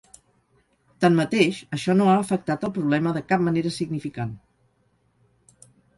Tanmateix, això no ha afectat el problema de cap manera significant.